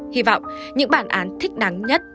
hy vọng những bản án thích đáng nhất